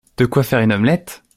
De quoi faire une omelette !